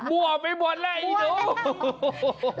บัวไปบวนแหละอีหนู